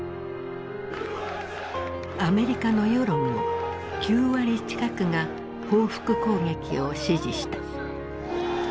アメリカの世論も９割近くが報復攻撃を支持した。